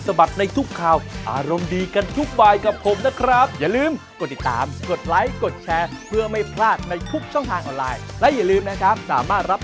ส่วนวันนี้หมดเวลาแล้วเจอกันใหม่โอกาสหน้าสวัสดีครับ